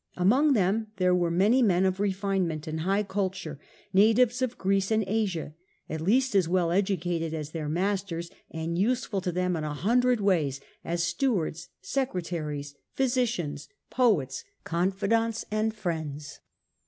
Among them there were many men of refinement and high culture, natives of Greece and Asia, at least as well educated as their masters, and useful to them in a hun dred ways as stewards, secretaries, physicians, poets, con fidants and friends.